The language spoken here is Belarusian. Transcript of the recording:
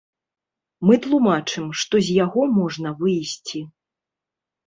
Мы тлумачым, што з яго можна выйсці.